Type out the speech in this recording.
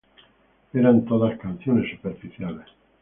Eran todas canciones superficiales.